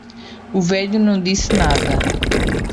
O velho não disse nada.